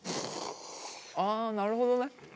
あなるほどね！